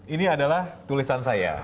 ini adalah tulisan saya